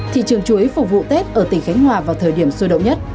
thị trường chuối phục vụ tết ở tỉnh khánh hòa vào thời điểm sôi động nhất